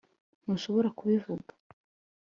Ntushobora kubivuga